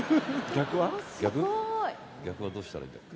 逆はどうしたらいいんだっけ？